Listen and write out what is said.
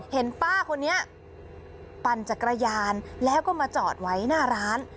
เห็นป้าคนนี้ปั่นจักรยานแล้วก็มาจอดไว้หน้าร้าน